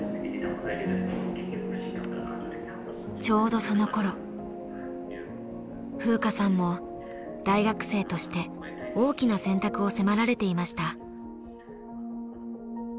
ちょうどそのころ風花さんも大学生として大きな選択を迫られていました。